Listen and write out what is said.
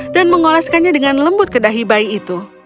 dan mengolaskannya dengan lembut ke dahi bayi itu